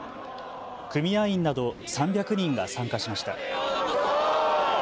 組合員など３００人が参加しました。